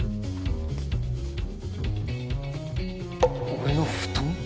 俺の布団？